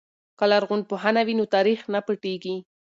که لرغونپوهنه وي نو تاریخ نه پټیږي.